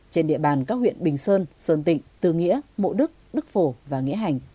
trên địa bàn các huyện bình sơn sơn tịnh tư nghĩa mộ đức đức phổ và nghĩa hành